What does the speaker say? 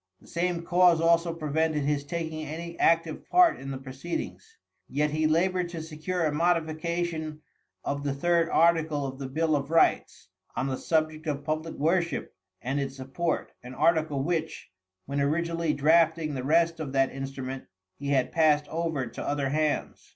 The same cause also prevented his taking any active part in the proceedings. Yet he labored to secure a modification of the third article of the bill of rights, on the subject of public worship and its support, an article which, when originally drafting the rest of that instrument, he had passed over to other hands.